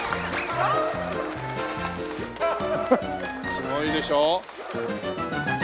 すごいでしょ？